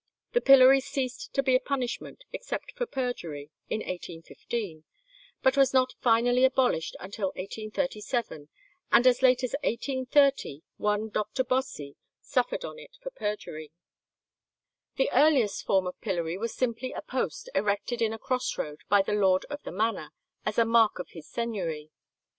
The pillory ceased to be a punishment, except for perjury, in 1815, but was not finally abolished until 1837, and as late as 1830 one Doctor Bossy suffered on it for perjury. The earliest form of pillory was simply a post erected in a cross road by the lord of the manor, as a mark of his seigneury.